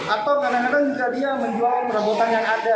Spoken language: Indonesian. atau kadang kadang jika dia menjual perabotan yang ada